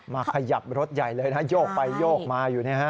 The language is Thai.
มาขยับรถใหญ่เลยนะโยกไปโยกมาอยู่นี่ค่ะ